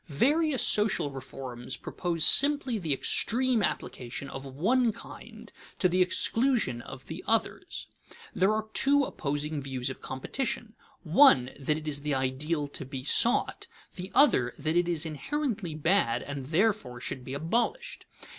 _ Various social reforms propose simply the extreme application of one kind to the exclusion of the others. There are two opposing views of competition: one, that it is the ideal to be sought; the other, that it is inherently bad, and therefore should be abolished.